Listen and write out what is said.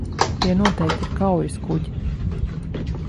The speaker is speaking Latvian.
Tie noteikti ir kaujaskuģi.